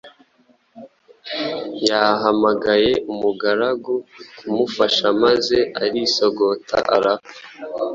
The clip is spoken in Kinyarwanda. yahamagaye umugaragu kumufasha maze arisogota arapfa.